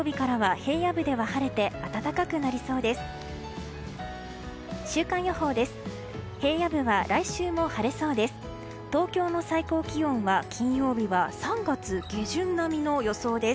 平野部は来週も晴れそうです。